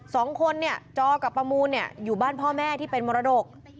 สองคนจอกับประมูลอยู่บ้านพ่อแม่ที่เป็นมรดก